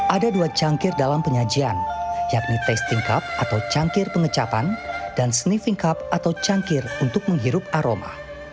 ada dua cangkir dalam penyajian yakni tasting cup atau cangkir pengecapan dan sniffing cup atau cangkir untuk menghirup aroma